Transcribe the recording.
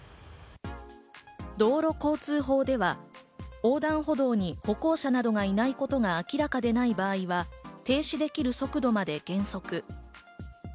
道路交通法では、横断歩道に歩行者などがいないことが明らかでない場合は停止できる速度まで減速。